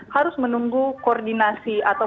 harus menunggu koordinasi atau